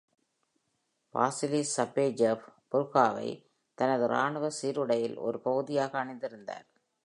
Vasily Chapayev "புர்கா"வை தனது இராணுவ சீருடையில் ஒரு பகுதியாக அணிந்திருந்தார்.